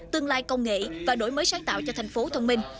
tương lai công nghệ và đổi mới sáng tạo cho thành phố thông minh